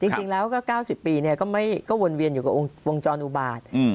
จริงแล้วก็๙๐ปีก็วนเวียนอยู่กับวงจรอุบาต